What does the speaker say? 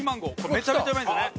めちゃめちゃうまいんですよね。